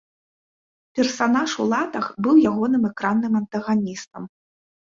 Персанаж у латах быў ягоным экранным антаганістам.